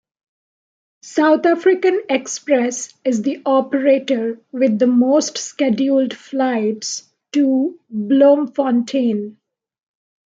South African Express is the operator with the most scheduled flights to Bloemfontein.